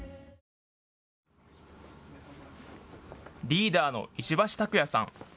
リーダーの石橋拓也さん。